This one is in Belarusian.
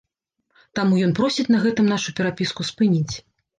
Таму ён просіць на гэтым нашу перапіску спыніць.